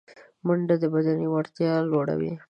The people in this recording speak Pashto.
منډه د بدني وړتیا لوړوي